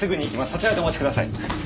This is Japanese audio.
そちらでお待ちください。